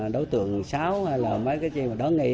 đối tượng sáu hay là mấy cái gì mà đón nghị